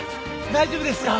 大丈夫ですか？